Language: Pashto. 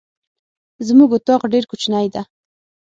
زمونږ اطاق ډير کوچنی ده.